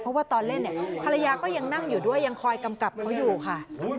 เพราะว่าตอนเล่นเนี่ยภรรยาก็ยังนั่งอยู่ด้วยยังคอยกำกับเขาอยู่ค่ะ